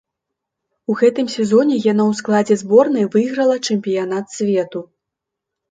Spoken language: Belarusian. У гэтым сезоне яна ў складзе зборнай выйграла чэмпіянат свету.